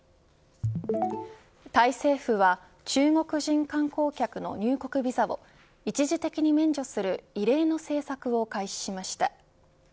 タイ政府は中国人観光客の入国ビザを一時的に免除する異例の政策を開始しました。